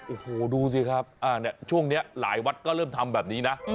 โอ้โหดูสิครับช่วงนี้หลายวัดก็เริ่มทำแบบนี้นะ